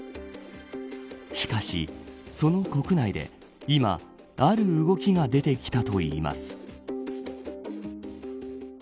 しかし、その国内で今、ある動きが出てきたといいます。